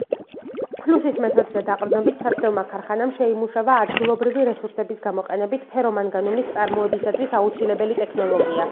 ფლუსის მეთოდზე დაყრდნობით საცდელმა ქარხანამ შეიმუშავა ადგილობრივი რესურსების გამოყენებით ფერომანგანუმის წარმოებისათვის აუცილებელი ტექნოლოგია.